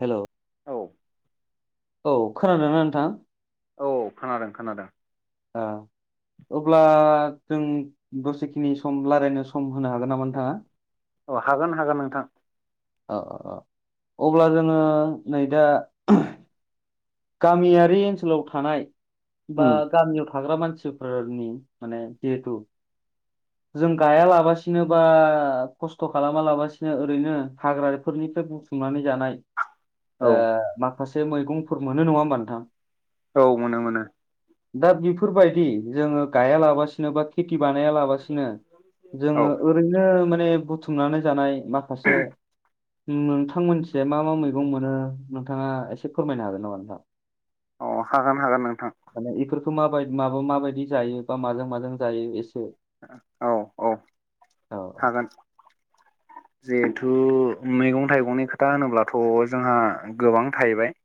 हेल' औ औ खोनादों ना नोंथां औ खोनादों खोनादों ओ अब्ला जों दसेखिनि सम रायज्लायनो सम होनो हागोन नामा नोंथाङा औ हागोन हागोन नोंथां अब्ला जोङो नै दा गामियारि ओनसोलाव थानाय बा उम गामियाव थाग्रा मानसि फोरनि माने जिहेतु जों गायालाबासिनो बा खस्थ खालामा लाबासिनो ओरैनो हाग्राफोरनिफ्राय बुथुमनानै जानाय औ माखासे मैगंफोर मोनो नङा होमबा नोंथां औ मोनो मोनो दा बेफोरबायदि जोङो गाया लाबासिनो बा खेथि बानाया लाबासिनो औ जोङो ओरैनो माने बुथुमनानै जानाय माखासे नोंथां मोनथिजाय मा मा मैगं मोनो नोंथाङा एसे फोरमायनो हागोन नामा नोंथां अ हागोन हागोन नोंथां माने बेफोरखौ माबाय माबा माबायदि जायो बा माजों माजों जायो एसे औ औ औ हागोन जिहेथु मैगं थाइगंनि खोथा होनोब्लाथ' जोंहा गोबां थाहैबाय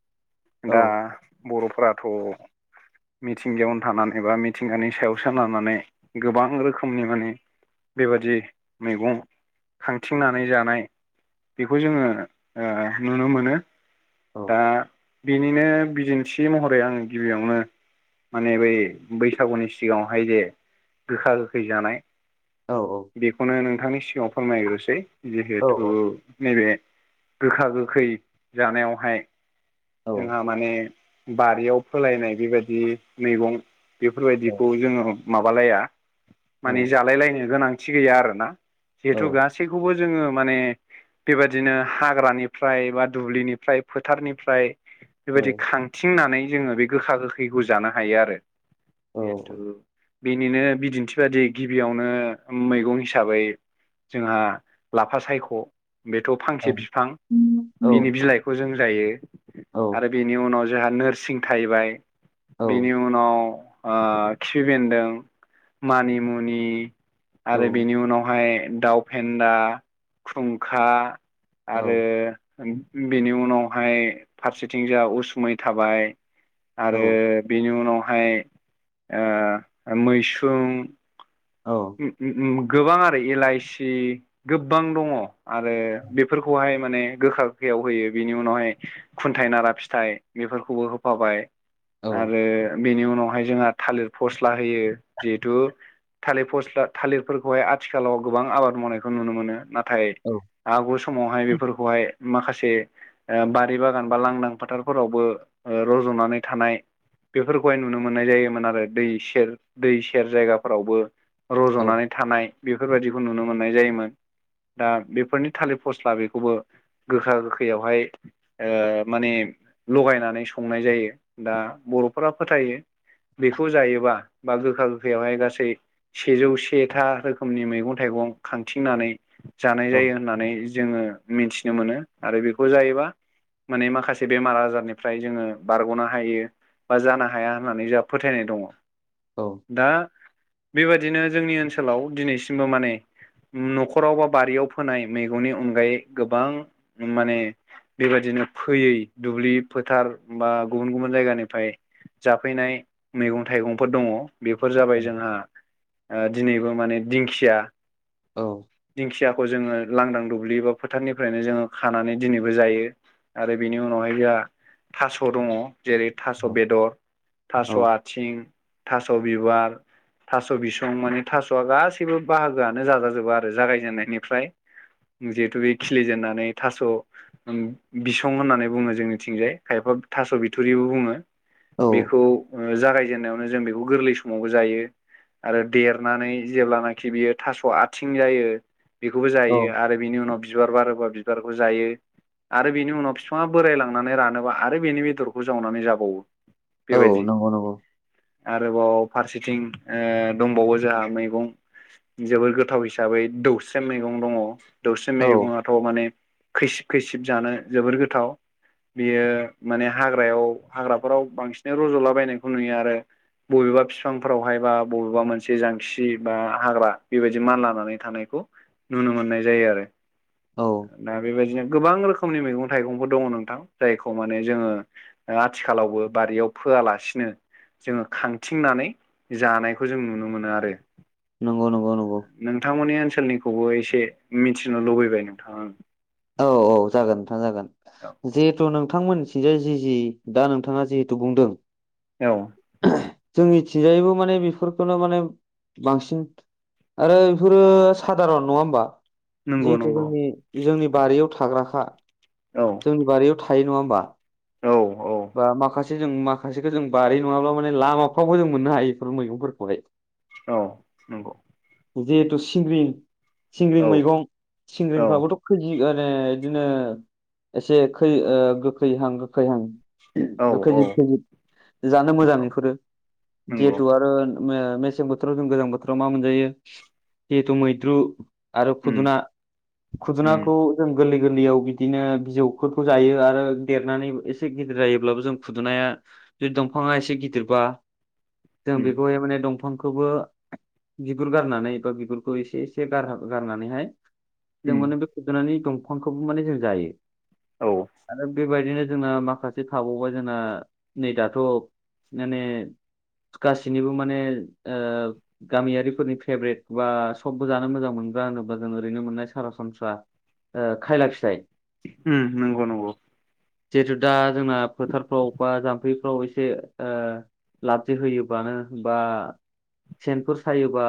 दा औ बर'फोराथ मिथिंगायावनो थानानै बा मिथिंगानि सायावसो लानानै गोबां रोखोमनि माने बेबादि मैगं थिंनानै जानाय बेखौ जोङो नुनो मोनो औ बिनिनो बिदिन्थि महरै आङो गिबियावनो माने बै बैसागुनि सिगाङावहाय जे गोखा गोखै जानाय औ बेखौनो नोंथांनि सिगाङाव फोरमायग्रोसै औ जिहेथु नैबे गोखा गोखै जानायावहाय औ जोंहा माने बारियाव फोलायनाय बेबायदि मैगं बेफोरबायदिखौ जोङो माबालाया औ माने जालाय लायनो गोनांथि गैया आरोना औ जिहेथु गासैखौबो जोङो माने बेबायदिनो हाग्रानिफ्राय बा दुब्लिनिफ्राय फोथारनिफ्राय बेबायदि खांथिंनानै जोङो बे गोखा गोखैखौ जानो हायो आरो औ जिहेथु बेनिनो बिदिन्थि बादियै गिबियावनो मैगं हिसाबै जोंहा लाफा सायख बेथ औ फांसे बिफां औ बिनि बिलाइखौ जों जायो बिनि उनाव जोंहा नोरसिं थाहैबाय औ बिनि उ उनाव खिफि बेन्दों मानिमुनि आरो बेनि उनावहाय दाउ फेन्दा खुंखा आरो बेनि उनावहाय फारसेथिं जों उसुमै थाबाय आरो बेनि उनावहाय मैसुं औ गोबां आरो एलइसि गोबां दङ आरो बेफोरखौहाय माने गोखा गोखायाव होयो बिनि उनावहाय खुन्थाय नारा फिथाइ बेफोरखौबो होफाबाय औ आरो बेनि उनावहाय जोंहा थालिर फस्ला होयो जिहेथु थालिर फस्ला थालिरफोरखौहाय आथिखालाव गोबां आबाद मावनायखौ नुनो मोनो नाथ थाय आगु समावहाय बेफोरखौहाय माखासे बारि बागान बा लांदां फोथारफोरावबो रजनानै थानाय बेफोरखौहाय नुनो मोननाय जायोमोन आरो दै सेर दै सेर जायगाफोरावबो रज'नानै थानाय बेफोरबायदिखौ नुनो मोननाय जायोमोन दा बेफोरनि थालिर फस्ला बेखौबो गोखा गोखैयावहाय माने लगायनानै संनाय जायो दा बर'फोरा फोथायो बेखौ जायोबा बा गोखा गोखैयावहाय गासै सेजौ सेथा रोखोमनि मैगं थाइगं खांथिंनानै जानाय जायो होननानै जोङो मिथिनो मोनो आरो बेखौ जायोबा माने माखासे बेमार आजारनिफ्राय जोङो बारग'नो हायो बा जानो हाया होननानै जोंहा फोथायनाय दङ औ दा बेबायदिनो जोंनि ओनसोलाव दिनैसिमबो माने न'खराव बा बारियाव फोनाय मैगंनि अनगायै गोबां माने बेबायदिनो फैयै दुब्लि फोथार बा गुबुन गुबुन जायगानिफ्राय जाफैनाय मैगं थाइगंफोर दङ बेफोर जाबाय जोंहा दिनैबो माने दिंखिया दिंखियाखौ जोङो लांदां दुब्लि बा फोथारनिफ्रायनो जोङो खानानै दिनैबो जायो आरो बेनि उनावहाय जोंहा थास' दङ जेरै थास' बेदर थास' आथिं थास' बिबार थास' बिसं माने थास'आ गासैबो बाहागोआनो जाजाजोबो आरो जागायजेननायनिफ्राय जिहेतु बे खिलिजेननानै थास' बिसं होननानै बुङो जोंनिथिंजाय खायफा थास' बिथुरिबो बुङो बेखौ जागायजेननायावनो जों बेखौ गोरलै समावबो जायो आरो देरनानै जेब्लानाखि बियो थास' आथिं जायो बेखौबो जायो आरो बिनि उनाव बिबार बारोबा बिबारखौ जायो आरो बेनि उनाव बिफाङा बोराय लांनानै रानोबा आरो बेनि बेदरखौ जावनानै जाबावो औ बेबायदि नंगौ नंगौ आरोबाव फारसेथिं दंबावो जोंहा मैगं जोबोर गोथाव हिसाबै दौस्रम मैगं दङ दौसे औ मेगुङाथ' माने खैसिब खैसिब जानो जोबोर गोथाव बेयो माने हाग्रायाव हाग्राफोराव बांसिनै रज'लाबायनायखौ नुयो आरो बबेबा बिफांफोरावहाय बा बबेबा मोनसे जांखि बा हाग्रा बेबायदि मान लानानै थानायखौ नुनो मोननाय जायो आरो औ दा बेबायदिनो गोबां रोख खोमनि मैगं थाइगंफोर दङ नोंथां जायखौ माने जोङो आथिखालावबो बारियाव फोयालासिनो जोङो खांथिंनानै जानायखौ जों नुनो मोनो आरो नंगौ नंगौ नंगौ नोंथांमोननि ओनसोलनिखौबो एसे मिथिनो लुबैबाय नोंथां आं औ औ जागोन नोंथां जागोन औ जिहेथु नोंथांमोननिथिंजाय जि जि दा नोंथाङा जिहेथु बुंदों औ जोंनिथिंजायबो माने बेफोरखौनो माने बांसिन आरो बेफोरो सादारन नङा होमबा नंगौ जिहेथु नंगौ जोंनि जोंनि बारियाव थाग्राखा औ जोंनि बारियाव थायो नङा होनबा औ औ बा माखासे जों माखासेखौ जों बारि नङाब्लाबो माने लामाफ्रावबो जों मोननो हायो बेफोर मैगंफोरखौहाय औ नंगौ जिहेथु सिंग्रि सिंग्रि औ मैगं औ सिंग्रिफ्राबोथ' खैजिरानो इदिनो एसे खै गोखैहां गोखैहां औ औ खैजिब खैजिब जानो मोजां औ बेफोरो नंगौ जिहेथु आरो मेसें बोथोराव जों गोजां बोथोराव मा मोनजायो जिहेतु मैद्रु आरो उम खुदुना उम खुदुनाखौ जों गोरलै गोरलैयाव बिदिनो बिजौखौ जायो आरो देरनानै एसे गिदिर जायो अब्लाबो जों खुदुनाया जुदि दंफाङा एसे गिदिरबा जों उम बेखौहाय माने दंफांखौबो बिगुर गारनानै बा बिगुरखौ एसे एसे गार गारनानैहाय जों उम माने बे खुदुनानि दंफांखौबो माने जों जायो औ आरो बेबायदिनो जोंना माखासे थाबावबाय जोंना नै दाथ' माने गासिनिबो माने ओ गामियारिफोरनि फेब्रेट बा सबबो जानो मोजां मोनग्रा होनोबा जों ओरैनो मोननाय सरासनस्रा खायला फिथाइ ओ नंगौ नंगौ जिहेतु दा जोंना फोथारफ्राव बा जाम्फैफ्राव एसे लाबजे होयोबानो बा सेनफोर सायोबा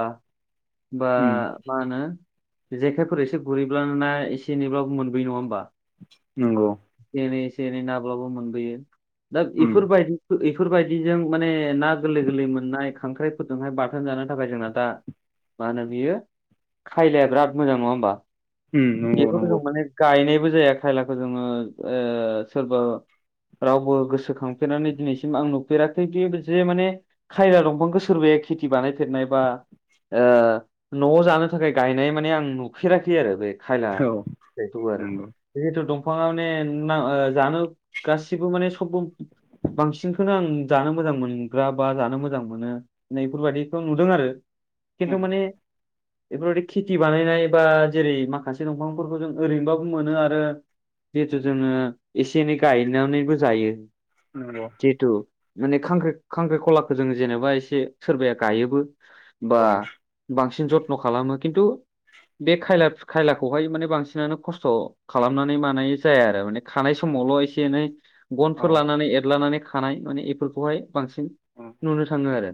बा उम मा होनो जेखायफोर एसे गुरहैब्लानो ना एसे एनैब्लाबो मोनबोयो नङा होमबा नंगौ एसे एनै नाब्लाबो मोनबोयो दा उम बेफोरबायदि बेफोरबायदिजों माने ना गोरलै गोरलै मोननाय खांख्राइफोरजोंहाय बाथोन जानो थाखाय जोंना दा मा होनो बियो खायलाया बिराद मोजां नङा होमबा उम नंगौ बेखौ जों नंगौ माने गायनायबो जाया खायलाखौ जोङो सोरबा रावबो गोसोखांफेरनानै दिनैसिम आं नुफेराखै खि जे माने खायला दंफांखौ सोरबाया खेथि बानायफेरनाय बा न'आव जानो थाखाय गायनाय माने आं नुफेराखै आरो बे खायला औ फिथाइखौ आरो नंगौ जिहेतु दंफांआवनो ना जानो गासिबो माने सबबो बांसिनखौनो आं जानो मोजां मोनग्रा बा जानो मोजां मोनो नैफोरबायदिखौ नुदों आरो खिन्थु उम माने बेफोरबायदि खेथि बानायनाय बा जेरै माखासे दंफांफोरखौ जों ओरैनोबाबो मोनो आरो जिहेथु जोङो एसे एनै गायनानैबो जायो औ जिथु माने खां खांख्रिखलाखौ जों जेनेबा एसे सोरबाया गायोबो बा औ बांसिन जथ्न' खालामो खिन्थु बे खायला खायलाखौहाय माने बांसिनानो खस्थ' खालामनानै मानाय जाया आरो माने खानाय समावल' एसे एसे एनै औ गनफोर लानानै एरलानानै खानाय माने बेफोरखौहाय बांसिन उम नुनो थाङो उम आरो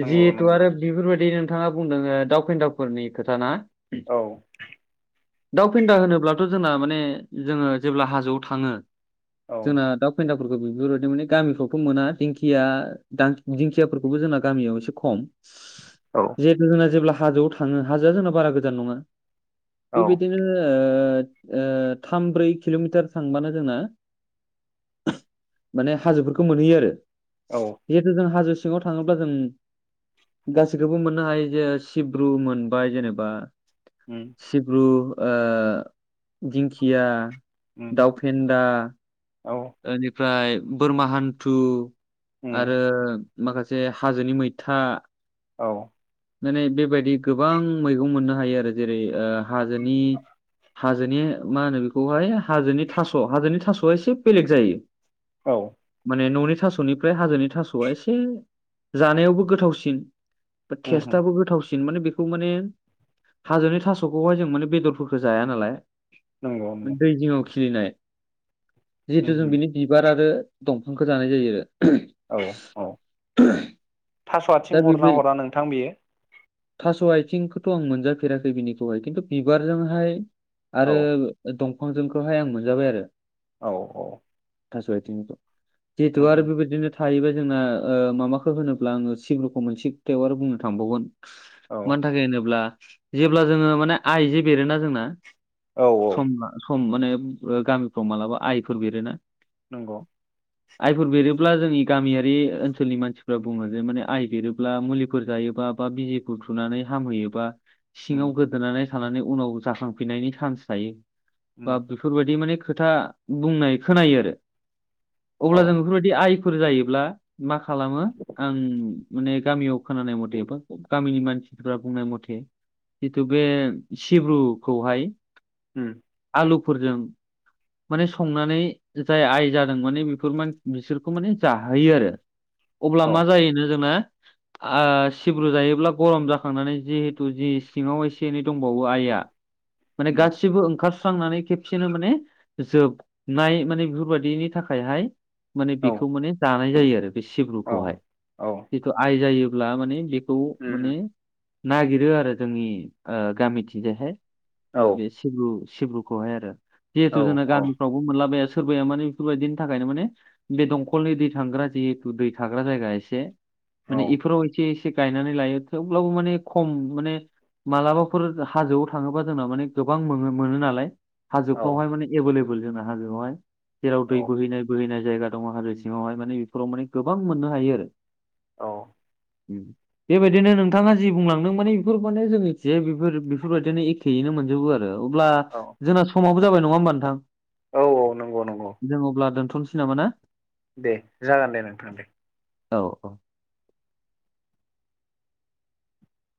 नंगौ जिहेथु नंगौ आरो बेफोरबायदिनो नोंथाङा बुंदों दाव फेन्दाफोरनि खोथा ना औ दाउ फेन्दा होनोब्लाथ' जोंना माने जोङो जेब्ला हाजोआव थाङो औ जोंना दाउ फेन्दाफोरखौ बेफोरबायदि माने गामिफ्रावथ' मोना दिंखिया दां दिंखियाफोरखौबो जोंना गामियाव एसे खम औ जिहेतु जोंना जेब्ला हाजोआव थाङो हाजोआ जोंना बारा गोजान नङा औ बेबायदिनो ओ-ओ थाम ब्रै किल'मिटार थांबानो जोंना माने हाजोफोरखौ मोनहैयो आरो औ जिहेथु जों हाजो सिङाव थाङोब्ला जों गासैखौबो मोननो हायो जे सिब्रु मोनबाय जेनेबा उम सिब्रु दिंखिया उम दाउफेन्दा औ बेनिफ्राय बोरमा हान्थु उम आरो माखासे हाजोनि मैथा औ माने बेबायदि गोबां मैगं मोननो हायो आरो जेरै हाजोनि हाजोनि मा होनो बेखौहाय हाजोनि थास हाजोनि थासआ एसे बेलेग जायो औ माने ननि थासनिफ्राय हाजोनि थासआ एसे जानायावबो गोथावसिन उम हो टेस्टआबो गोथावसिन माने बेखौ माने हाजोनि थासखौहाय जों माने बेदरफोरखौ जाया नालाय नंगौ नंगौ दै जिङाव खिलिनाय जिहेथु उम जों हो बिनि बिबार आरो दंफांखौ जानाय जायो आरो औ-औ थास' दा आथिं बेबो हरना हरा नोंथां बियो थास आथिंखौथ आं मोनजाफेराखै बिनिखौहाय खिन्थु बिबारजोंहाय औ आरो दंफांजोंखौहाय आं मोनजाबाय आरो औ-औ थासाथिंनिखौ जिहेथु उम आरो बेदिनो थायोबा जोंना माबाखौ होनोब्ला आङो सिब्रुखौ मोनसे खोथायाव आरो बुंनो थांबावगोन हो औ मानि थाखाय होनोब्ला जेब्ला जोङो माने आइ जे बेरोना जोंना औ औ सम सम माने गामिफ्राव मालाबा आइफोर बेरोना नंगौ आइफोर बेरोब्ला जोंनि गामियारि ओनसोलनि मानसिफ्रा बुङो जे माने आइ बेरोब्ला मुलिफोर जायोबा बा बिजिखौ थुनानै हामहैयोबा उम सिङाव गोदोनानै उनाव जाखांनायनि चान्स थायो उम बा बेफोरबायदि माने खोथा बुंनाय खोनायो आरो औ अब्ला जों बेफोरबायदि आइ फोर जायोब्ला मा खालामो आं माने गामियाव खोनानाय मथे बा गामिनि मानसिफ्रा बुंनाय मथे जिथु बे सिब्रुखौहाय उम आलुफोरजों माने संनानै जाय आइ जादों माने बेफोर मान बिसोरखौ माने जाहोयो आरो अब्ला औ मा जायोनो जोंना सिब्रु जायोब्ला गरम जाखांनानै जिहेथु जि सिङाव एसे एनै दंबावो आइआ माने उम गासिबो ओंखार स्रांनानै खेबसेनो माने जोबनाय माने बेफोरबायदिनि थाखायहाय माने औ बेखौ माने जानाय जायो आरो बे औ सिब्रुखौहाय औ जिथु आइ जायोब्ला माने बेखौ माने उम नागिरो आरो जोंनि हो गामिथिंजायहाय सिब्रु सिब्रुखौहाय आरो औ जिहेथु जोंना औ गामि फोरावबो मोनलाबाया सोरबाया माने बेफोरबायदिनि थाखायनो माने बे दंखलनि दै थांग्रा जिहेतु दै थाग्रा जायगा एसे माने इफोराव एसे एसे गायनानै लायो थेवब्लाबो माने खम माने मालाबाफोर हाजोआव थाङोबा जोंना माने गोबां मोनो मोनो नालाय औ हाजोफ्रावहाय माने एभेलेबल जोंना हाजोआवहाय जेराव दै बोहैनाय बोहैनाय जायगा दङ हाजो सिङावहाय माने बेफोराव माने गोबां मोननो हायो आरो औ उम बेबायदिनो नोंथाङा जि बुंलांदों माने बेफोर माने जोंनिथि बेफोर बेफोरबायदिनो एखेयैनो मोनजोबो आरो अब्ला औ जोंना समाबबो जाबाय नङा होमबा नोंथां औ-औ नंगौ नंगौ जों अब्ला दोनथ'नोसै नामा ना दे जागोन दे नोंथां दे औ-औ